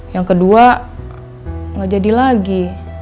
yang kedua nggak jadi lagi